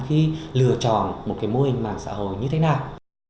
khi lừa chọn một cái mô hình mạng xã hội như thế nào